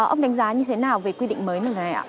ông đánh giá như thế nào về quy định mới này ạ